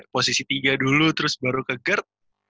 posisi tiga dulu terus baru ke gerd